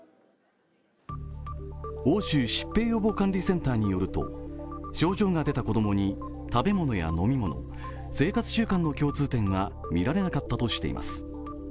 応酬疾病予防管理センターによると症状が出た子供に食べ物や飲み物生活習慣の共通点が見られなかったとしています。